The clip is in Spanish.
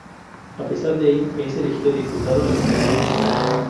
A pesar de ello, es elegido diputado al Congreso Nacional.